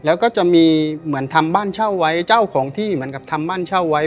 แล้วก็จะมีเหมือนทำบ้านเช่าไว้เจ้าของที่เหมือนกับทำบ้านเช่าไว้